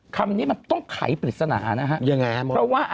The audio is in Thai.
คำนี้มันต้องไขปริศนานะฮะ